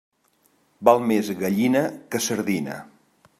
Val més gallina que sardina.